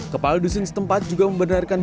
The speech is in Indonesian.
kepala dusun setempat juga membenarkan